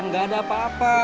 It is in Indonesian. nggak ada apa apa